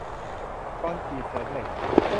คอนกรีตเสริมเหล็ก